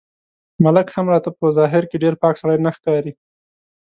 ملک هم راته په ظاهر کې ډېر پاک سړی نه ښکاري.